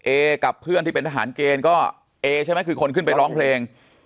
เอกับเพื่อนที่เป็นทหารเกณฑ์ก็เอใช่ไหมคือคนขึ้นไปร้องเพลง